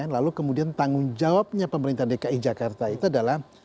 lalu kemudian tanggung jawabnya pemerintah dki jakarta itu adalah